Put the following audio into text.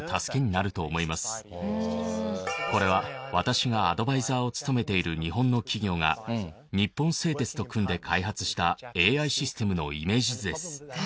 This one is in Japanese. これは私がアドバイザーを務めている日本の企業が日本製鉄と組んで開発したＡＩシステムのイメージ図です。